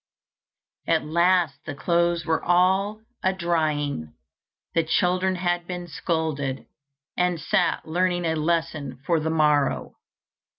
At last the clothes were all a drying, the children had been scolded, and sat learning a lesson for the morrow.